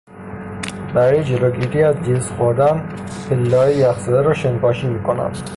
برای جلوگیری از لیز خوردن، پلههای یخزده را شنپاشی میکنند.